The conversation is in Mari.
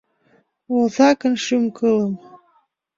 Озакын шӱм-кылым